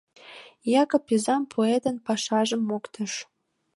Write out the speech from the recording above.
Якып изам поэтын пашажым моктыш.